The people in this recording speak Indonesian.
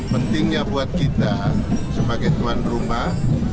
pentingnya buat kita sebagai tuan rumah